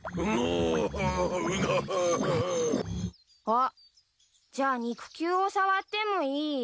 あっじゃあ肉球を触ってもいい？